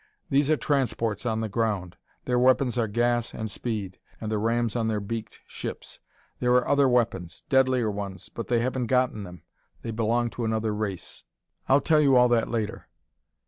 "These are transports on the ground. Their weapons are gas and speed, and the rams on their beaked ships. There are other weapons deadlier ones! but they haven't got them: they belong to another race. I'll tell you all that later!"